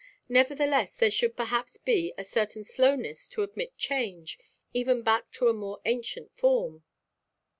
Nevertheless there should perhaps be a certain slowness to admit change, even back to a more ancient form."